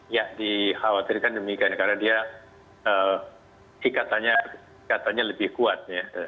ya dikhawatirkan demikian karena dia katanya lebih kuat ya